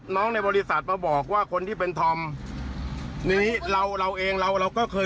ในบริษัทมาบอกว่าคนที่เป็นธอมทีนี้เราเราเองเราเราก็เคย